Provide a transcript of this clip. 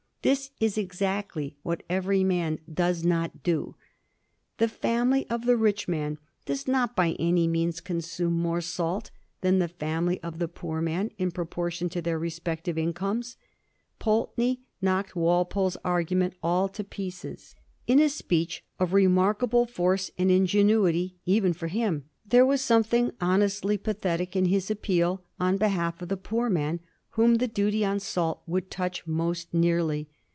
This is exactly what every man does not do. The family of the rich man does not by any means consume more salt than the family of the poor man in proportion to their respective incomes. Pulteney knocked Walpole's argument all to pieces in a speech of remarkable force and ingenuity even for him. There was something honestly pathetic in his appeal on behalf of the poor man, whom the duty on salt would touch most nearly.